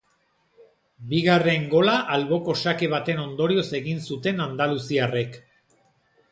Bigarren gola alboko sake baten ondorioz egin zuten andaluziarrek.